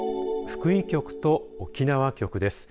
福井局と沖縄局です。